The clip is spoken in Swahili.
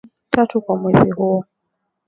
tatu kwa mwezi huo